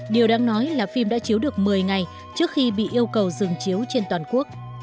điều đáng nói là phim đã chiếu được một mươi ngày trước khi bị yêu cầu dừng chiếu trên toàn quốc